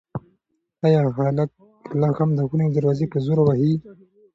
ایا هلک لا هم د خونې دروازه په زور وهي؟